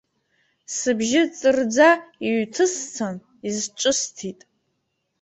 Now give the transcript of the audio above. Сыбжьы ҵырӡа иҩҭысцан, изҿысҭит.